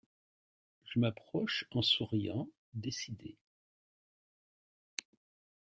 Je m’approche en souriant, décidée.